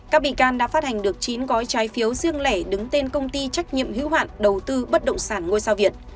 các bị can đã phát hành được chín gói trái phiếu riêng lẻ đứng tên công ty trách nhiệm hữu hạn đầu tư bất động sản ngôi sao việt